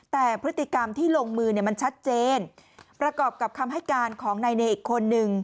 แต่พฤติกรรมที่ลงมือเนี่ยมันชัดเจนประกอบกับคำให้การของนายเนอีกคนนึง